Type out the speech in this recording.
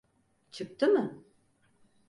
Çıktı mı?